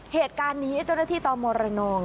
เหตุการณ์นี้เจ้าหน้าที่ตมรนอง